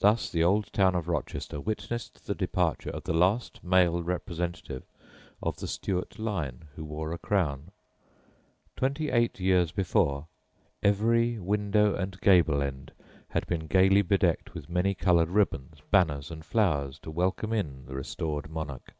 Thus the old town of Rochester witnessed the departure of the last male representative of the Stuart line who wore a crown. Twenty eight years before, every window and gable end had been gaily bedecked with many coloured ribbons, banners, and flowers to welcome in the restored monarch.